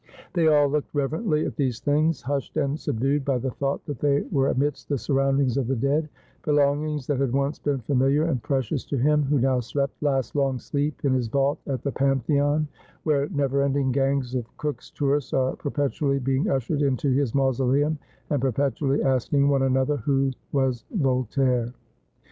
They all looked reverently at these things, hushed and sub dued by the thought that they were amidst the surroundings of the dead ; belongings that had once been familiar and precious to him who now slept the last long sleep in his vault at the Pantheon ; where never ending gangs of Cook's tourists are perpetually being ushered into his mausoleum, and perpetually asking one another who was Voltaire